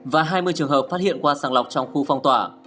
và hai mươi trường hợp phát hiện qua sàng lọc trong khu phong tỏa